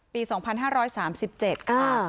ปี๒๕๓๗ค่ะ